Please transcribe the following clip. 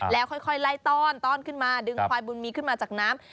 แล้วค่อยไล่ต้อนขึ้นมาดึงควายบุญมีขึ้นมาจากน้ำ